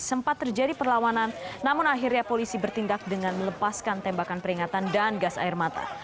sempat terjadi perlawanan namun akhirnya polisi bertindak dengan melepaskan tembakan peringatan dan gas air mata